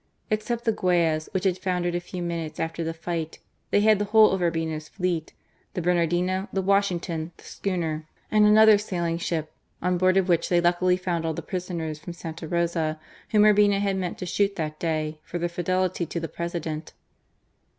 Except the Guayas, which had foundered a few minutes after the fight, they had the whole of Urbina's fleet, the Bernardino, the Washingtony the schooner, and another sailing ship, on board of which they luckily found all the prisoners from Santa Rosa, whom Urbina had meant to shoot that day for their fidelity to the President.